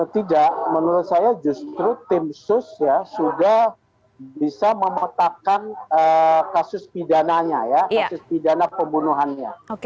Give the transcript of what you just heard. tidak menurut saya justru tim sus sudah bisa memetakkan kasus pidana pemunuhannya